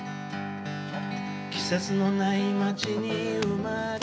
「季節のない街に生まれ」